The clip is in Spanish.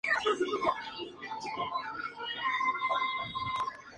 Esto se debió en gran parte a su puerto natural.